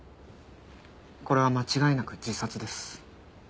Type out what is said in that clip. これは間違いなく自殺です。